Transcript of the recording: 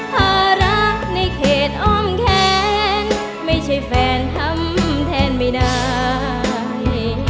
ภาระในเขตอ้อมแขนไม่ใช่แฟนทำแทนไม่ได้